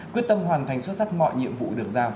quyết tâm hoàn thành xuất sắc mọi nhiệm vụ được giao